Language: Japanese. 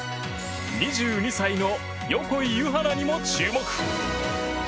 ２２歳の横井ゆは菜にも注目。